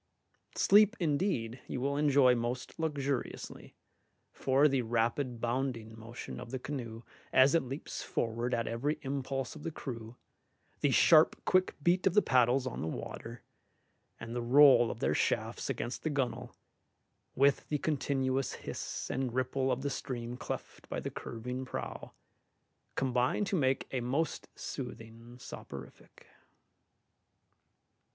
Sleep, indeed, you will enjoy most luxuriously, for the rapid bounding motion of the canoe as it leaps forward at every impulse of the crew, the sharp quick beat of the paddles on the water, and the roll of their shafts against the gunwale, with the continuous hiss and ripple of the stream cleft by the curving prow, combine to make a most soothing soporific.